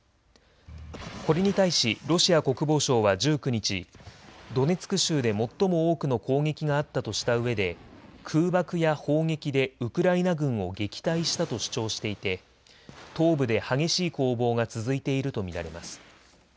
これに対しロシア国防省は１９日、ドネツク州で最も多くの攻撃があったとしたうえで空爆や砲撃でウクライナ軍を撃退したと主張していて東部で激しい攻防が続いていると見られます。